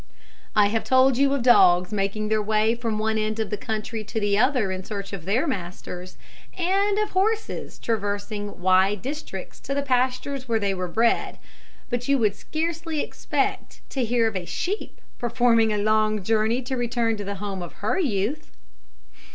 I have told you of dogs making their way from one end of the country to the other in search of their masters, and of horses traversing wide districts to the pastures where they were bred, but you would scarcely expect to hear of a sheep performing a long journey to return to the home of her youth.